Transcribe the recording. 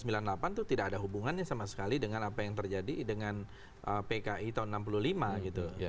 itu tidak ada hubungannya sama sekali dengan apa yang terjadi dengan pki tahun seribu sembilan ratus enam puluh lima gitu